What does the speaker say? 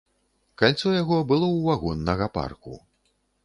Кальцо яго было ў вагоннага парку.